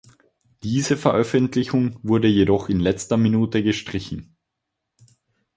Diese Veröffentlichung wurde jedoch in letzter Minute gestrichen.